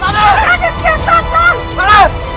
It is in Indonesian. raden kian santal